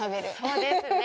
そうですね。